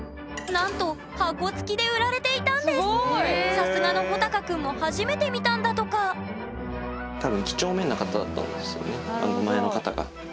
さすがのほたかくんも初めて見たんだとかなるほど。